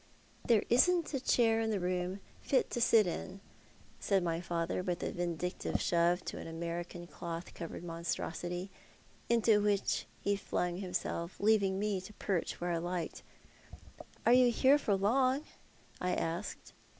" There isn't a chair in the room fit to sit in," said my father with a vindictive shove to an American cloth covered monstrosity, into which he flung himself, leaving me to perch where I liked. " Are you here for long? " I asked.